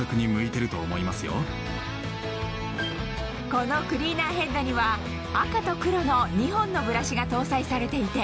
このクリーナーヘッドには赤と黒の２本のブラシが搭載されていて